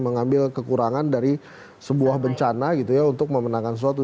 mengambil kekurangan dari sebuah bencana gitu ya untuk memenangkan suatu